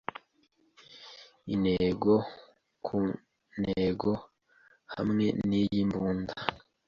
Intego ku ntego hamwe niyi mbunda.